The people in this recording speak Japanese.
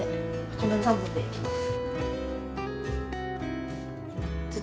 この３本でいきます。